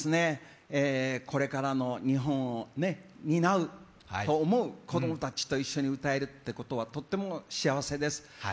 これからの日本を担うと思う子供たちと一緒に歌えるということはとっても幸せです。